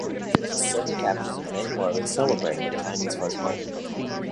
His seven captures of Meng Huo is celebrated in Chinese folklore.